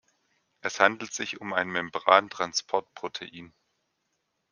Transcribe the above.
Es handelt sich um ein Membran-Transportprotein.